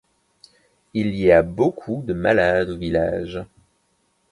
Il y a beaucoup de malades au village.